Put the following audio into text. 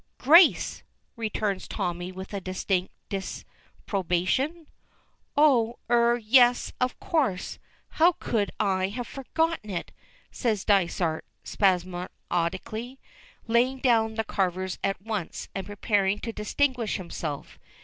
"Grace," returns Tommy with distinct disapprobation. "Oh er yes, of course. How could I have forgotten it?" says Dysart spasmodically, laying down the carvers at once, and preparing to distinguish himself.